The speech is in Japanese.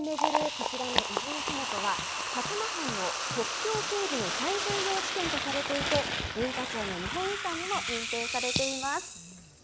こちらの出水麓は薩摩藩の国境警備の最重要地点とされていて文化庁の日本遺産にも認定されています。